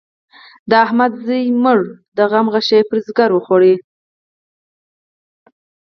د احمد زوی ومړ؛ د غم غشی يې پر ځيګر وخوړ.